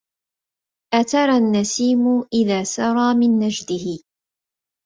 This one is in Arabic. أترى النسيم إذا سرى من نجده